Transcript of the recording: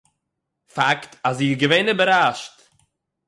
פאַקט אַז זי איז געווען איבערראַשט